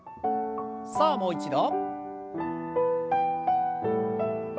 さあもう一度。